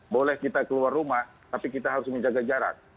boleh kita keluar rumah tapi kita harus menjaga jarak